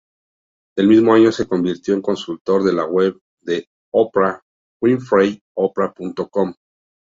El mismo año se convirtió en consultor de la web de Oprah Winfrey Oprah.com.